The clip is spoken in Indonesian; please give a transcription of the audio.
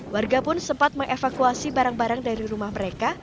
warga pun sempat mengevakuasi barang barang dari rumah mereka